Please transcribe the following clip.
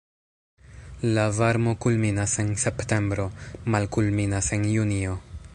La varmo kulminas en septembro, malkulminas en junio.